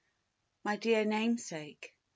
MY DEAR NAMESAKE .